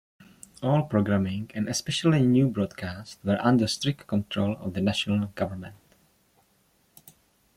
All programming, and especially news broadcasts, were under strict control of the national government.